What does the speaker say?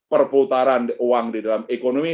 perputaran uang di dalam ekonomi